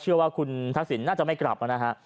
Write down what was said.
เชื่อว่าคุณทักษิณน่าจะไม่กลับนะฮะ